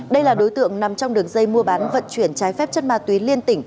đây là đối tượng nằm trong đường dây mua bán vận chuyển trái phép chất ma túy liên tỉnh